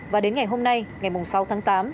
và đến ngày hôm nay ngày sáu tháng tám